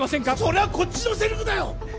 それはこっちのセリフだよ